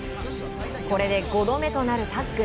これで５度目となるタッグ。